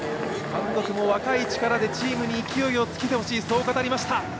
監督も若い力でチームに勢いをつけてほしいと語りました。